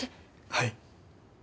はい。